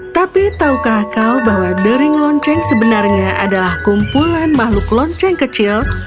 tapi tahukah kau bahwa dering lonceng sebenarnya adalah kumpulan makhluk lonceng kecil